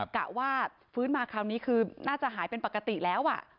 กะว่าฟื้นมาคราวนี้คือน่าจะหายเป็นปกติแล้ว